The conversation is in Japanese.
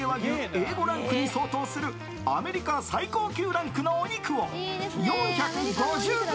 Ａ５ランクに相当するアメリカ最高級ランクのお肉を４５０ｇ